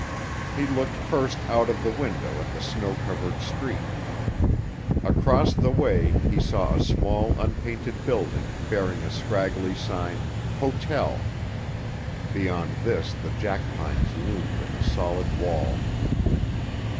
He looked first out of the window at the snow covered "street." Across the way he saw a small, unpainted building bearing a scraggly sign, "Hotel." Beyond this the jack pines loomed in a solid wall.